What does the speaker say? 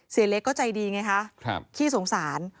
เสียเล็กก็ใจดีไงคะขี้สงสาร